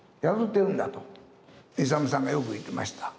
イサムさんがよく言ってました。